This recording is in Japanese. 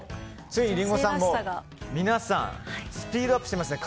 ついにリンゴさんも皆さんスピードアップしてますね。